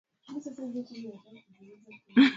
andaa shamba kabla ya kupanda viazi